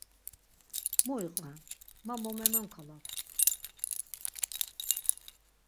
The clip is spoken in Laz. Mu iqven man mo memonkalap.